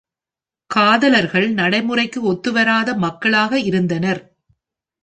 காதலர்கள் நடைமுறைக்கு ஒத்துவராத மக்களாக இருந்தனர்.